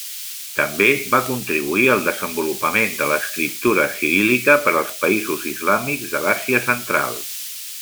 També va contribuir al desenvolupament de l'escriptura ciríl·lica per als països islàmics de l'Àsia Central.